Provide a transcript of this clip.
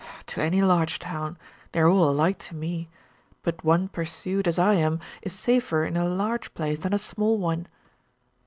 "To any large town; they are all alike to me; but one pursued as I am is safer in a large place than a small one."